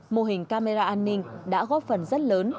mô hình camera an ninh đã góp phần rất lớn